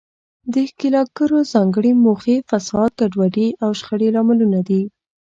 د ښکیلاکګرو ځانګړې موخې، فساد، ګډوډي او شخړې لاملونه دي.